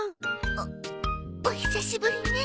おお久しぶりね。